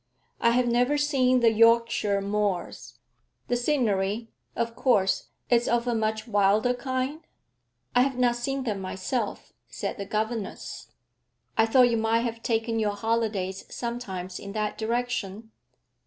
'I have never seen the Yorkshire moors. The scenery, of course, is of a much wilder kind?' 'I have not seen them myself,' said the governess. 'I thought you might have taken your holidays sometimes in that direction.'